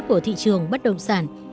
của thị trường bất động sản